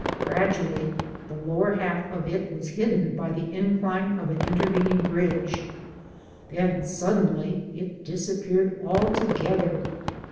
Gradually the lower half of it was hidden by the incline of an intervening bridge, then suddenly it disappeared altogether.